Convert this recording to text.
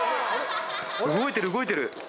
動いてる動いてる！